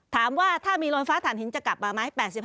ถามว่าถ้ามีโรนฟ้าฐานหินจะกลับมาไหม